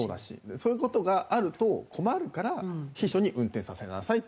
そういう事があると困るから秘書に運転させなさいっていうとこからまあ。